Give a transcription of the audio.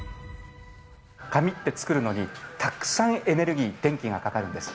紙って作るのにたくさんエネルギー、電気がかかるんです。